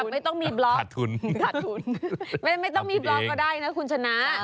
ไม่ต้องมีบร้อนก็ได้นะคุณชนะ